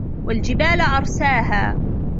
وَالجِبالَ أَرساها